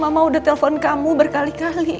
saya udah telpon kamu berkali kali